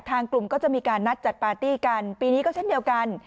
ทางกลุ่มก็จะมีการนัดจัดปาร์ตี้กันปีนี้ก็เช่นเดียวกัน